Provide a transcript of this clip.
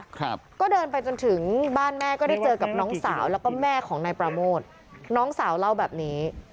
ครับก็เดินไปจนถึงบ้านแม่ก็ได้เจอกับน้องสาวแล้วก็แม่ของนายประโมทน้องสาวเล่าแบบนี้